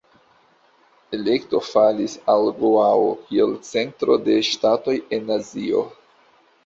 Elekto falis al Goao kiel centro de ŝtatoj en Azio.